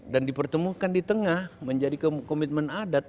dan dipertemukan di tengah menjadi komitmen adat